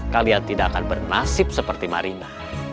kalian tidak akan bernasib seperti marina